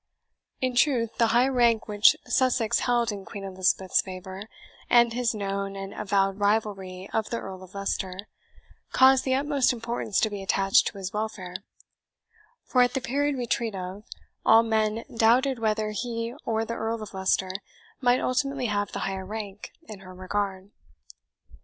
In truth, the high rank which Sussex held in Queen Elizabeth's favour, and his known and avowed rivalry of the Earl of Leicester, caused the utmost importance to be attached to his welfare; for, at the period we treat of, all men doubted whether he or the Earl of Leicester might ultimately have the higher rank in her regard.